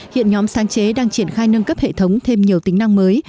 hiện nhóm sáng chế đang triển khai nâng cấp hệ thống thêm nhiều tính năng mới